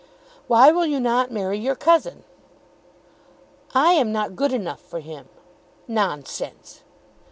"Why will you not marry your cousin?" "I am not good enough for him." "Nonsense!"